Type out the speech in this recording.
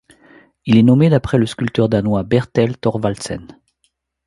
Il est nommé d'après le sculpteur danois Bertel Thorvaldsen.